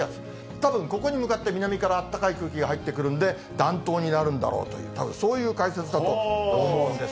たぶんここに向かって、南から暖かい空気が入ってくるんで、暖冬になるんだろうと、たぶんそういう解説だと思うんです。